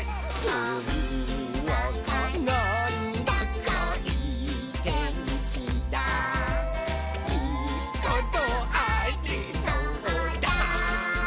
「ほんわかなんだかいいてんきだいいことありそうだ！」